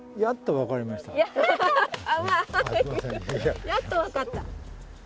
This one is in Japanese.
やっと分かった。